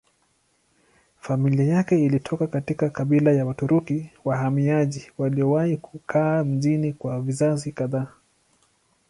Familia yake ilitoka katika kabila ya Waturuki wahamiaji waliowahi kukaa mjini kwa vizazi kadhaa.